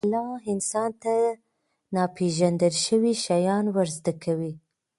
الله انسان ته ناپېژندل شوي شیان ورزده کوي.